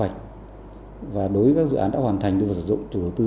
đối với các dự án đã hoàn thành đối với sử dụng chủ đồ tư